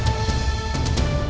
nih bawa pergi